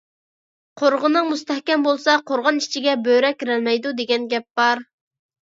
«قورغىنىڭ مۇستەھكەم بولسا، قورغان ئىچىگە بۆرە كىرەلمەيدۇ» دېگەن گەپ بار.